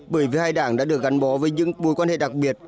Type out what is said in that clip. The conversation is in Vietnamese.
bởi vì hai đảng đã được gắn bó với những mối quan hệ đặc biệt